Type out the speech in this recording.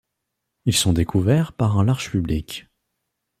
Ils sont découverts par un large public.